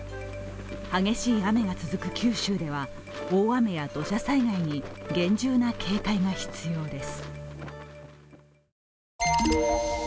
激しい雨が続く九州では大雨や土砂災害に厳重な警戒が必要です。